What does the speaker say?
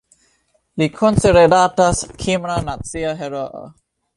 Li konsideratas kimra nacia heroo.